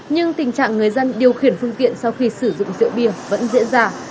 nhưng tình trạng người dân điều khiển phương tiện sau khi sử dụng rượu bia vẫn diễn ra